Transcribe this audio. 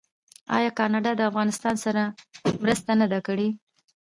آیا کاناډا د افغانستان سره مرسته نه ده کړې؟